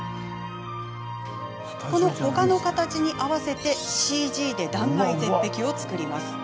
丘の形に合わせてＣＧで断崖絶壁を作ります。